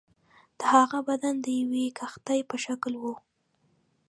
د هغه بدن د یوې کښتۍ په شکل وو.